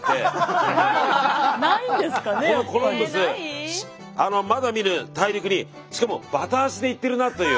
このコロンブスまだ見ぬ大陸にしかもバタ足で行ってるなという。